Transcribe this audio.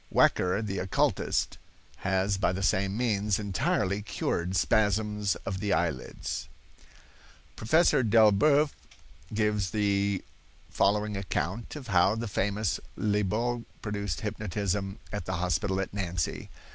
Wecker, the occulist, has by the same means entirely cured spasms of the eye lids." Professor Delboeuf gives the following account of how the famous Liebault produced hypnotism at the hospital at Nancy.